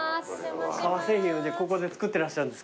革製品をじゃあここで作ってらっしゃるんですか？